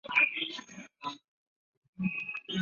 马岭竹为禾本科簕竹属下的一个种。